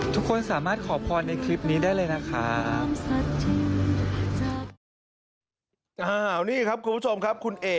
ทุกคนสามารถขอพรในคลิปนี้ได้เลยนะครับ